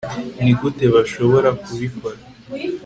nigute bashobora kubikora